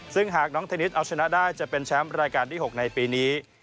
ซึ่งหากน้องเทนนิสเอาชนะได้จะเป็นแชมป์รายการที่๖ในปีนี้